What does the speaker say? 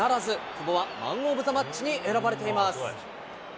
久保はマンオブザマッチに選ばれています。